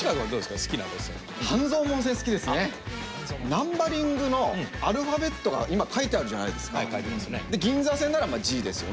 ナンバリングのアルファベットが今書いてあるじゃないですか。